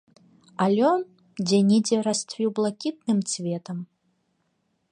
А лён дзе-нідзе расцвіў блакітным цветам.